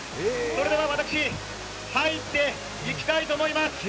それでは私、入っていきたいと思います。